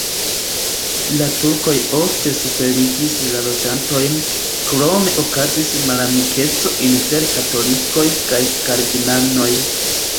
La turkoj ofte suferigis la loĝantojn, krome okazis malamikeco inter katolikoj kaj kalvinanoj.